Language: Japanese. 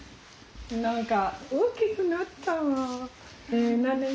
何か大きくなったなぁ。